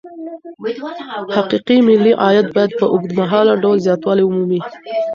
حقيقي ملي عايد بايد په اوږدمهاله ډول زياتوالی ومومي.